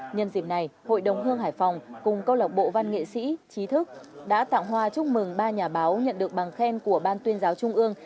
nhân dịp này hội đồng hương hải phòng cùng câu lạc bộ văn nghệ sĩ trí thức đã tặng hoa chúc mừng ba nhà báo nhận được bằng khen của ban tuyên giáo trung ương